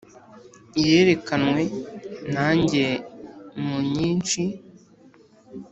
iyerekanwe na njye nunyinshi